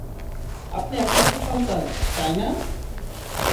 আপনি একমাত্র সন্তান, তাই না?